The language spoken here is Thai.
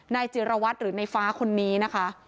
ในเจรวรรษหรือในฟ้าคนนี้นะคะ